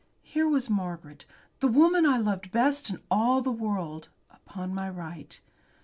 Here was Margaret, the woman I loved best in all the world, upon my right.